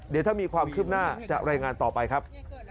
เดี๋ยวถ้ามีความคืบหน้าจะรายงานต่อไปครับ